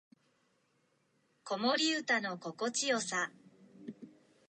子守唄の心地よさ